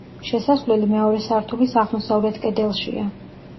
შესასვლელი მეორე სართულის აღმოსავლეთ კედელშია.